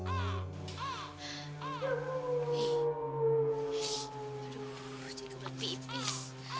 aduh cek kebelet pipis